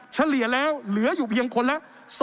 เฉลี่ยแล้วเหลืออยู่เพียงคนละ